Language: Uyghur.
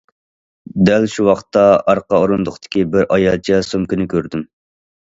دەل شۇ ۋاقىتتا ئارقا ئورۇندۇقتىكى بىر ئايالچە سومكىنى كۆردۈم.